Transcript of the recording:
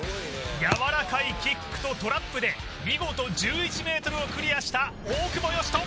柔らかいキックとトラップで見事１１ｍをクリアした大久保嘉人